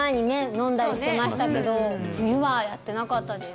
飲んだりしてましたけど冬はやってなかったです